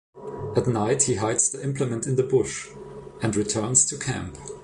At night he hides the implement in the bush and returns to camp.